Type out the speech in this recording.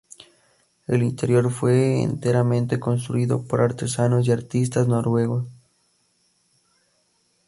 El interior fue enteramente construido por artesanos y artistas noruegos.